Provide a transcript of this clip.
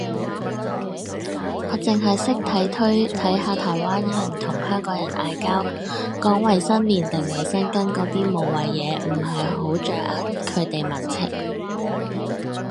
我剩係識睇推睇下台灣人同香港人嗌交，講衛生棉定衛生巾嗰啲無謂嘢，唔係好掌握佢哋民情